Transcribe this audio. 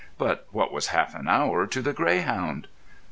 But what was half an hour to The Greyhound?